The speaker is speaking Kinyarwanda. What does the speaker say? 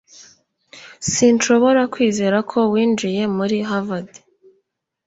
Sinshobora kwizera ko winjiye muri Harvard